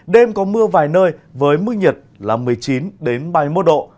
đêm có mưa vài nơi với mức nhiệt là một mươi chín ba mươi một độ